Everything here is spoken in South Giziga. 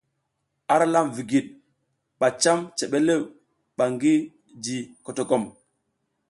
Ara lam vigid ba cam cebelew ba ngi ji kotokom.